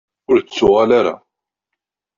Ur d-tuɣal ara.